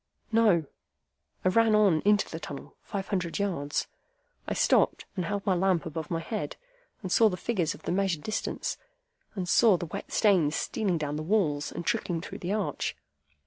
"No. I ran on into the tunnel, five hundred yards. I stopped, and held my lamp above my head, and saw the figures of the measured distance, and saw the wet stains stealing down the walls and trickling through the arch.